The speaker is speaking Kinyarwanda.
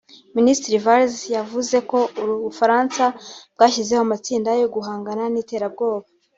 Minisitiri Valls yavuze ko u Bufaransa bwashyizeho amatsinda yo guhangana n’iterabwoba